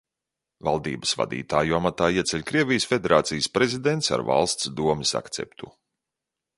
Valdības vadītāju amatā ieceļ Krievijas Federācijas Prezidents ar Valsts Domes akceptu.